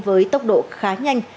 với tốc độ khá nhanh